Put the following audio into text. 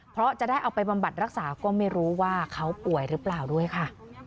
เพราะจะได้เอาไปบำบัดรักษาก็ไม่รู้ว่าเขาป่วยหรือเปล่าด้วยค่ะ